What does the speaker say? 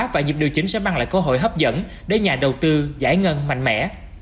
và dịp điều chỉnh sẽ mang lại cơ hội hấp dẫn để nhà đầu tư giải ngân mạnh mẽ